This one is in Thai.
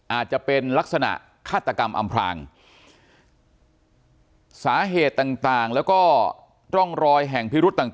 อาจจะเป็นลักษณะฆาตกรรมอำพลางสาเหตุต่างแล้วก็ร่องรอยแห่งพิรุษต่าง